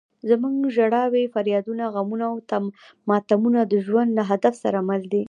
زموږ ژړاوې، فریادونه، غمونه او ماتمونه د ژوند له هدف سره مل دي.